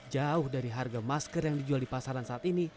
jauh dari harga masker yang dijual di pasaran saat ini